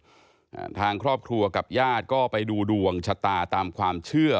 อ่าทางครอบครัวกับญาติก็ไปดูดวงชะตาตามความเชื่อ